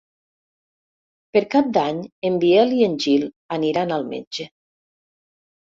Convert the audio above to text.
Per Cap d'Any en Biel i en Gil aniran al metge.